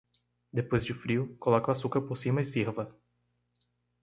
Depois de frio, coloque o açúcar por cima e sirva.